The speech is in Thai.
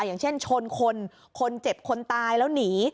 อย่างเช่นชนคนคนเจ็บคนตายแล้วหนี